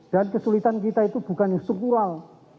dan kesulitan kita itu bukan yang struktural